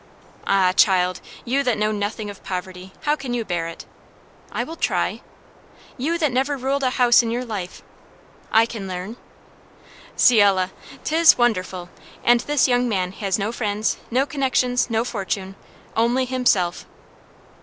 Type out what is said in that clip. "Ah, child! you that know nothing of poverty, how can you bear it?" "I will try." "You that never ruled a house in your life " "I can learn." "Ciel! 'tis wonderful! And this young man has no friends, no connections, no fortune! only himself."